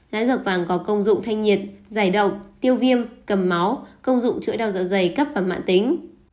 lá lược vàng có công dụng thanh nhiệt giải động tiêu viêm cầm máu công dụng chữa đau dạ dày cấp và mạng tính